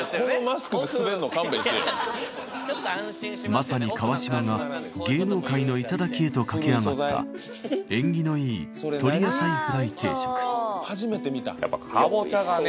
まさに川島が芸能界の頂へと駆け上がった縁起のいいやっぱカボチャがね。